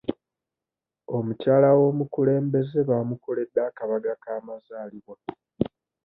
Omukyala w'omukulembeze baamukoledde akabaga k'amazaalibwa.